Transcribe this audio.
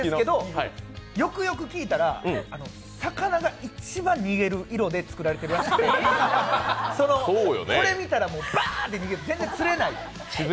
よくよく聞いたら魚が一番逃げる色で作られてるらしくてこれ、見たら、ばーって逃げて全然、釣れない。